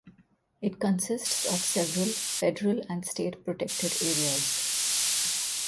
It consists of several federal and state protected areas.